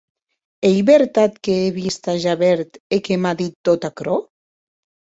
Ei vertat qu’è vist a Javert e que m’a dit tot aquerò?